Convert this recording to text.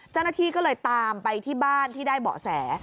เจ้าหน้าที่ก็เลยตามไปที่บ้านที่ได้เบาะแส